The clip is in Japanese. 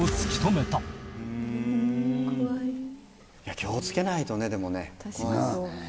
気を付けないとねでもね。